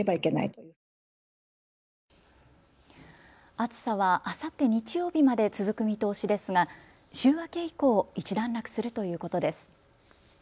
暑さはあさって日曜日まで続く見通しですが、週明け以降一段落するということです。